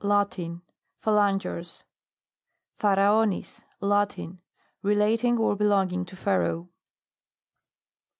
Latin. Phalangers. PHARAONIS. Latin. Relating or be longing to Pharaoh.